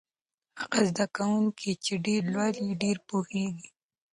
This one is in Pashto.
هغه زده کوونکی چې ډېر لولي ډېر پوهېږي.